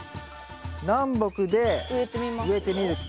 南北で植えてみると。